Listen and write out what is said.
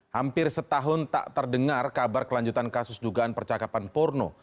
hampir setahun tak terdengar kabar kelanjutan kasus dugaan percakapan porno